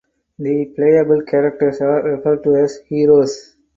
The playable characters are referred to as "heroes".